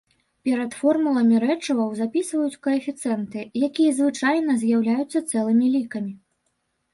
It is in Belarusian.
Перад формуламі рэчываў запісваюць каэфіцыенты, якія звычайна з'яўляюцца цэлымі лікамі.